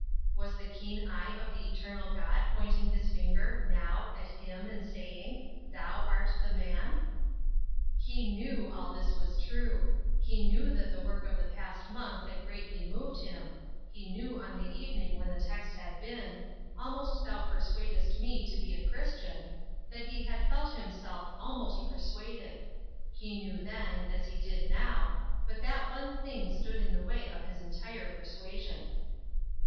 Was the keen eye of the Eternal God pointing his finger, now, at him, and saying; "Thou art the man?" He knew all this was true; he knew that the work of the past month had greatly moved him; he knew on the evening when the text had been, "Almost thou persuadest me to be a Christian," that he had felt himself almost persuaded; he knew then, as he did now, that but one thing stood in the way of his entire persuasion.